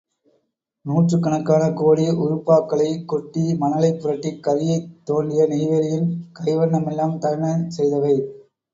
நூற்றுக்கணக்கான கோடி உருபாக்களைக் கொட்டி மணலைப் புரட்டிக் கரியைத் தோண்டிய நெய்வேலியின் கைவண்ணமெல்லாம் தமிழன் செய்தவை.